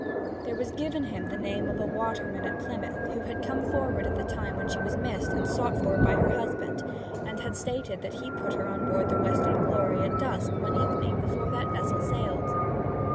There was given him the name of a waterman at Plymouth, who had come forward at the time that she was missed and sought for by her husband, and had stated that he put her on board the Western Glory at dusk one evening before that vessel sailed.